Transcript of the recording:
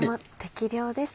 適量です。